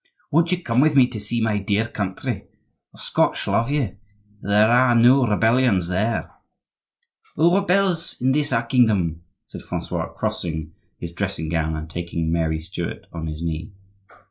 "Won't you come with me to see my dear country? The Scotch love you; there are no rebellions there!" "Who rebels in this our kingdom?" said Francois, crossing his dressing gown and taking Mary Stuart on his knee.